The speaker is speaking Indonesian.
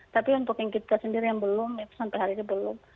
tapi untuk yang kita sendiri yang belum sampai hari ini belum